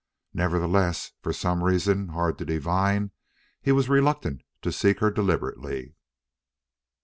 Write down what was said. Nevertheless, for some reason hard to divine, he was reluctant to seek her deliberately.